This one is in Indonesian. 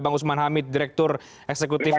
bang usman hamid direktur eksekutif